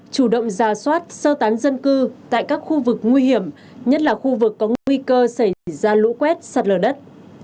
chủ động ra soát sơ tán dân cư tại các khu vực nguy hiểm nhất là khu vực có nguy cơ xảy ra lũ quét sạt lở đất